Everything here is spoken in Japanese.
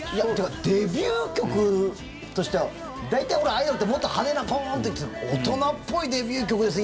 デビュー曲としては大体、アイドルってもっと派手なポーン！って行って大人っぽいデビュー曲ですね